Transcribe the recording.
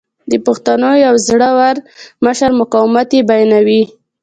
د پښتنو یو زړه ور مشر مقاومت یې بیانوي.